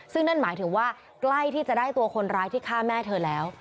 ซึ่งนั่นหมายถึงว่าใกล้ที่จะได้ตัวคนร้ายที่ฆ่าแม่เธอแล้ว